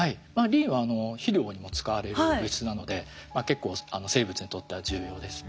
リンは肥料にも使われる物質なので結構生物にとっては重要です。